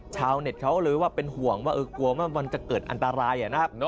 ชาวเน็ตเขาเลยว่าเป็นห่วงว่ากลัวว่ามันจะเกิดอันตรายนะครับ